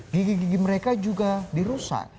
gigi gigi mereka juga dirusak